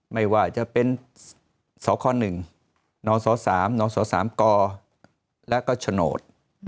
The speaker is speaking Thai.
ไม่ว่าจะเป็นสข๑นส๓กและก็ฉด